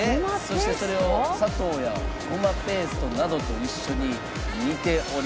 そしてそれを砂糖やごまペーストなどと一緒に煮ております。